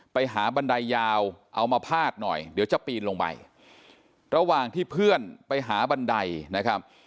ไปหาบันไดยาวเอามาพาดหน่อยเดี๋ยวจะปีนลงไประหว่างที่เพื่อนไปหาบันไดนะครับ